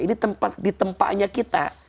ini tempat di tempatnya kita